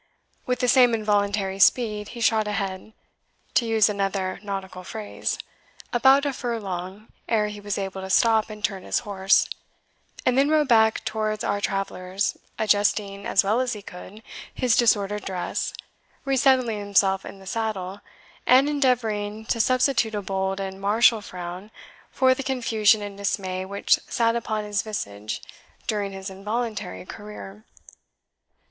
With the same involuntary speed, he shot ahead (to use another nautical phrase) about a furlong ere he was able to stop and turn his horse, and then rode back towards our travellers, adjusting, as well as he could, his disordered dress, resettling himself in the saddle, and endeavouring to substitute a bold and martial frown for the confusion and dismay which sat upon his visage during his involuntary career.